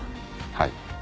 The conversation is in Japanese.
はい。